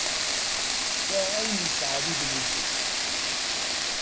Sεiɣ ayen yesεa d idlisen.